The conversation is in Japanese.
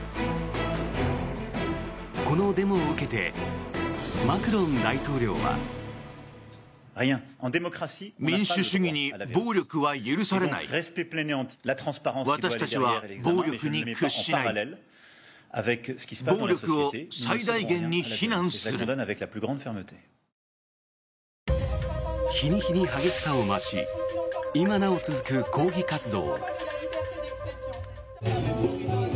このデモを受けてマクロン大統領は。日に日に激しさを増し今なお続く抗議活動。